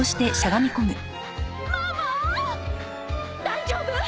大丈夫！？